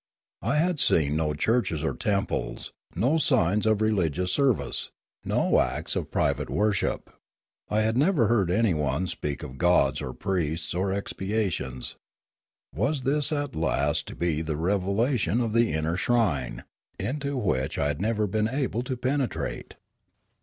I had seen no churches or temples, no signs of religious service, no acts of private worship. I had never heard anyone, speak of gods or priests or expiations. Was this at last to be the revelation of the inner shrine, into which I had never been able to penetrate